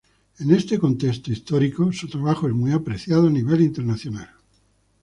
En este contexto histórico, su trabajo es muy apreciado a nivel internacional.